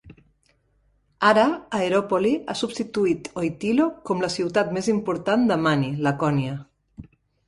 Ara Areopoli ha substituït Oitylo com la ciutat més important de Mani, Lakonia.